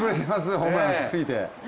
ホームラン打ちすぎて。